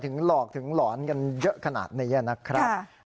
หลอกถึงหลอนกันเยอะขนาดนี้นะครับ